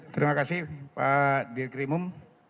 terima kasih pak dirik rimum